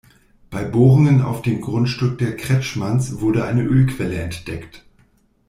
Bei Bohrungen auf dem Grundstück der Kretschmanns wurde eine Ölquelle entdeckt.